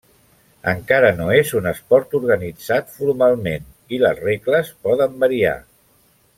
Encara no és un esport organitzat formalment i les regles poden variar.